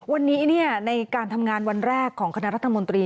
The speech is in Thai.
วันนี้ในการทำงานวันแรกของคณะรัฐมนตรี